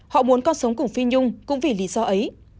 họ muốn con sống cùng phi nhung cũng vì lý do ấy